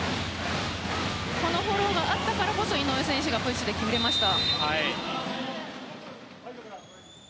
このフォローがあったからこそ井上選手がプッシュで決められました。